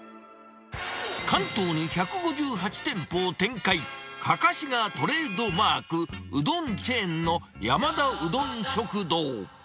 関東に１５８店舗を展開、かかしがトレードマーク、うどんチェーンの山田うどん食堂。